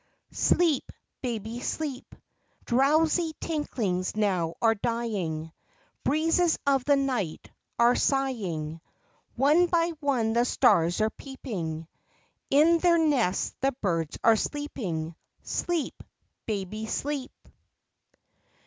Sleep, baby sleep! Drowsy tinklings now are dying; Breezes of the night are sighing; One by one the stars are peeping; In their nests the birds are sleeping; Sleep, baby sleep!